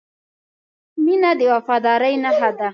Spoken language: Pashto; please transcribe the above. • مینه د وفادارۍ نښه ده.